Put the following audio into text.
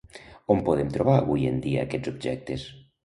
On podem trobar avui en dia aquests objectes?